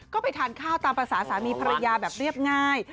ก็ไปทานข้าวตามภาษาสามีภรรยาแบบเรียบง่าย